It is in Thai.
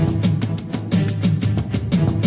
แม่ง